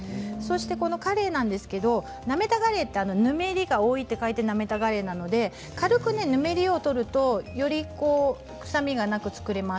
このカレイなんですけれどナメタガレイはぬめりが多いと書いてナメタガレイなので軽くぬめりを取るとより臭みがなく作れます。